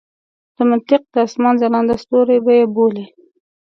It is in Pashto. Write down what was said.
د منطق د اسمان ځلانده ستوري به یې بولي.